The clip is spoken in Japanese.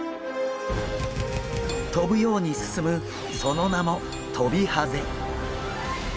跳ぶように進むその名もトビハゼ。